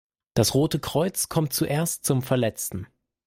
Das Rote Kreuz kommt zuerst zum Verletzten.